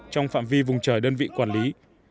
trong phạm vi vùng trời đơn vị quản lý